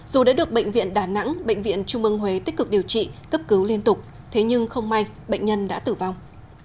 dù đã được bệnh viện đà nẵng bệnh viện trung ương huế tích cực điều trị cấp cứu liên tục thế nhưng không may bệnh nhân đã tử vong